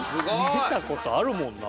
見たことあるもんな。